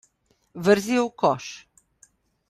Vrzi jo v koš.